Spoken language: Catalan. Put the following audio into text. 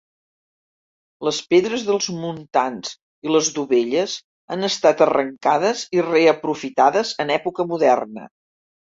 Les pedres dels muntants i les dovelles han estat arrencades i reaprofitades en època moderna.